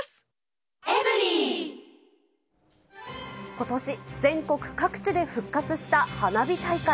ことし、全国各地で復活した花火大会。